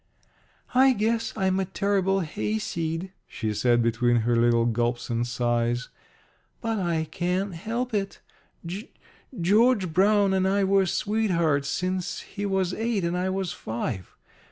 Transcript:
"I guess I'm a terrible hayseed," she said between her little gulps and sighs, "but I can't help it. G George Brown and I were sweethearts since he was eight and I was five.